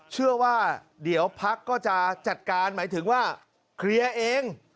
เชื่อว่าเดี๋ยวพักก็จะจัดการหมายถึงว่าเคลียร์เอง